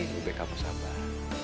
lebih baik kamu sabar